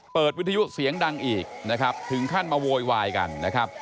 วิทยุเสียงดังอีกนะครับถึงขั้นมาโวยวายกันนะครับ